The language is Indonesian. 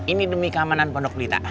ini demi keamanan pondok lita